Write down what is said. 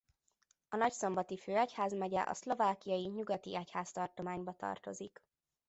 A nagyszombati főegyházmegye a szlovákiai nyugati egyháztartományba tartozik.